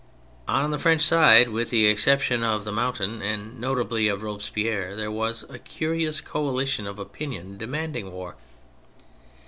On the French side, with the exception of the Mountain and notably of Robespierre, there was a curious coalition of opinion demanding war.